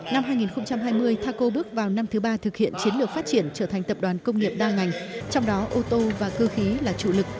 năm hai nghìn hai mươi thaco bước vào năm thứ ba thực hiện chiến lược phát triển trở thành tập đoàn công nghiệp đa ngành trong đó ô tô và cơ khí là chủ lực